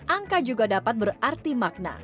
angka juga dapat berarti makna